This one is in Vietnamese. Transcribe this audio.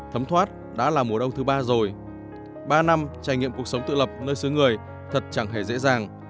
thấm thoát đã là mùa đông thứ ba rồi ba năm trải nghiệm cuộc sống tự lập nơi xứ người thật chẳng hề dễ dàng